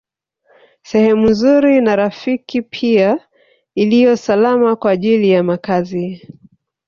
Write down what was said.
Sehemu nzuri na rafiki pia iliyo salama kwa ajili ya makazi